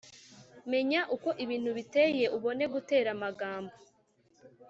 Menya uko ibintu biteye ubone gutera amagambo